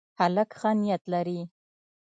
هلک ښه نیت لري.